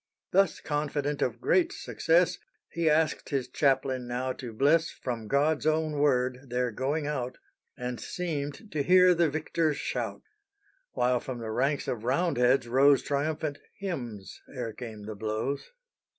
Thus confident of great success He asked his chaplain now to bless From God's own word their going out, And seemed to hear the victor's shout, While from the ranks of Roundheads rose Triumphant hymns, ere came the blows.